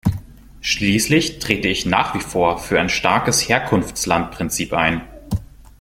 Schließlich trete ich nach wie vor für ein starkes Herkunftslandprinzip ein.